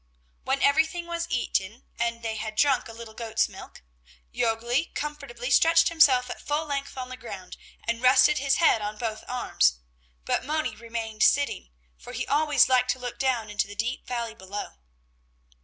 When everything was eaten and they had drunk a little goat's milk, Jörgli comfortably stretched himself at full length on the ground, and rested his head on both arms, but Moni remained sitting, for he always liked to look down into the deep valley below.